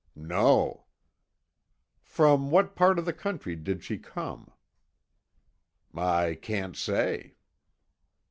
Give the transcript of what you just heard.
"No." "From what part of the country did she come?" "I can't say."